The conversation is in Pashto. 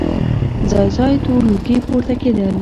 ځای ځای تور لوګي پورته کېدل.